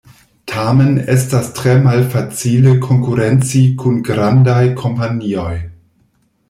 Tamen estas tre malfacile konkurenci kun grandaj kompanioj.